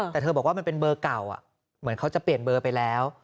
แต่เธอบอกว่ามันเป็นเบอร์เก่าเหมือนเขาจะเปลี่ยนเบอร์ไปแล้ว